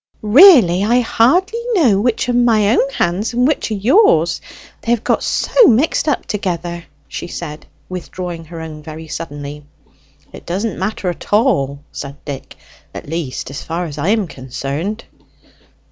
"Really, I hardly know which are my own hands and which are yours, they have got so mixed up together," she said, withdrawing her own very suddenly. "It doesn't matter at all," said Dick, "at least as far as I am concerned."